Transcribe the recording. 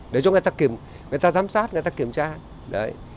để cho người ta kiểm người ta giám sát người ta kiểm tra đấy